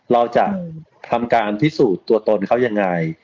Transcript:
เราจะทำการพิสูจน์ตัวตนเขายังไง